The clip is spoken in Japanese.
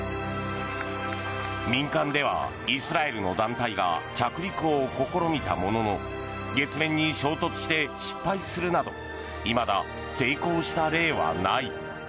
民間ではイスラエルの団体が着陸を試みたものの月面に衝突して失敗するなどいまだ成功した例はない。